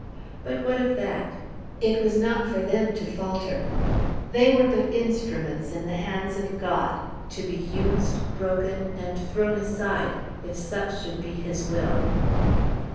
But what of that? It was not for them to falter. They were but instruments in the hands of God, to be used, broken, and thrown aside, if such should be His will.